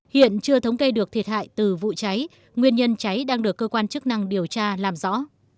hiện chưa thống kê được thiệt hại từ vụ cháy nguyên nhân cháy đang được cơ quan chức năng điều tra làm rõ